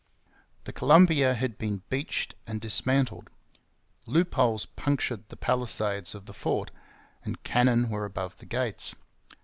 The Columbia had been beached and dismantled. Loop holes punctured the palisades of the fort, and cannon were above the gates.